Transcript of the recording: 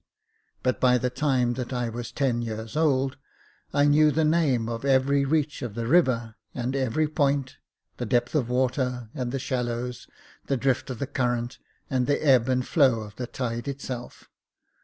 But by the time that I was ten years old, I knew the name of every reach of the river, and every point — the depth of water, and the shallows, the drift of the current, and the ebb and flow of the tide itself.